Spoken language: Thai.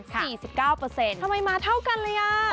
ทำไมมาเท่ากันเลยอ่ะ